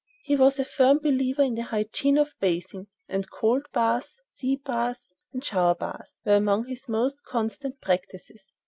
He was a firm believer in the hygiene of bathing, and cold baths, sea baths and shower baths were among his most constant practices.